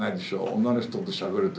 女の人としゃべる時。